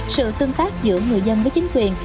sự tương tác giữa người dân với chính quyền